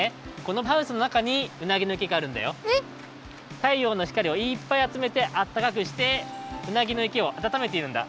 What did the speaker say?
たいようのひかりをいっぱいあつめてあったかくしてうなぎの池をあたためているんだ。